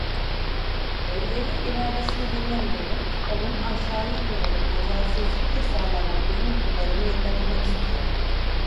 Elleri iradesini dinlemeyerek, onun aşağıya doğru mecalsizlikle sallanan uzun kollarını yakalamak istiyordu.